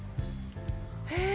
へえ！